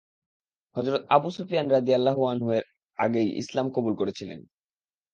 হযরত আবু সুফিয়ান রাযিয়াল্লাহু আনহু এর আগেই ইসলাম কবুল করেছিলেন।